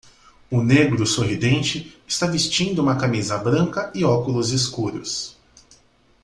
O negro sorridente está vestindo uma camisa branca e óculos escuros.